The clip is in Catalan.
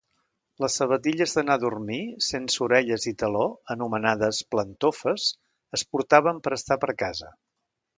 Les sabatilles d'anar a dormir, sense orelles i taló, anomenades "plantofes" es portaven per estar per casa.